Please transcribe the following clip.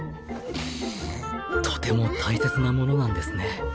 とても大切なものなんですね。